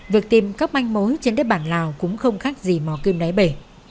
việc tìm các manh mối trên đất bản lào cũng không khác gì mò kim đáy bể